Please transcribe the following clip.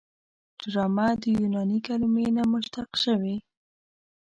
ډرامه د یوناني کلمې نه مشتق شوې.